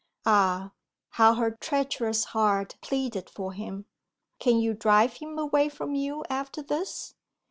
Ah, how her treacherous heart pleaded for him! Can you drive him away from you after this?